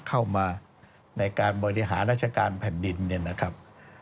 เข้ามาในการบริหารราชการแผ่นดินเนี่ยนะครับ